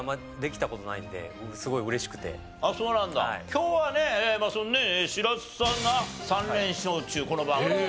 今日はねその白洲さんが３連勝中この番組内。